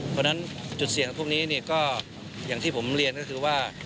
เพราะฉะนั้นจุดเสี่ยงพวกนี้ก็อย่างที่ผมเรียนก็คือว่า